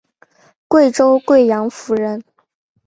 贵州贵阳府人。